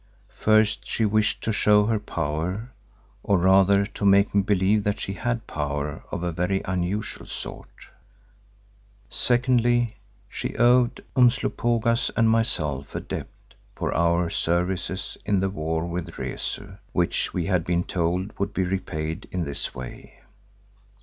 First, she wished to show her power, or rather to make me believe that she had power of a very unusual sort. Secondly, she owed Umslopogaas and myself a debt for our services in the war with Rezu which we had been told would be repaid in this way.